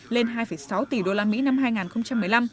lên hai sáu tỷ usd năm hai nghìn một mươi năm